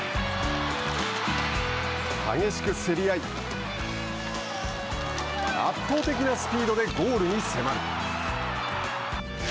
激しく競り合い圧倒的なスピードでゴールに迫る。